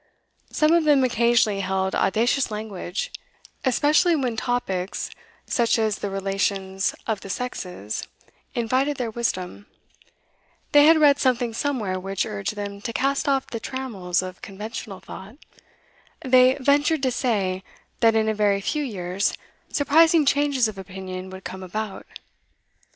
Some of them occasionally held audacious language, especially when topics such as the relations of the sexes invited their wisdom; they had read something somewhere which urged them to cast off the trammels of conventional thought; they 'ventured to say' that in a very few years 'surprising changes of opinion would come about.